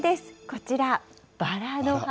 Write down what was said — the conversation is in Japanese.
こちら、バラの花。